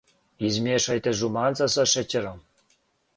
Измијешајте жуманца са шећером.